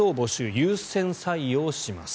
優先採用します！